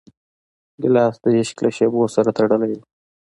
ګیلاس د عشق له شېبو سره تړلی دی.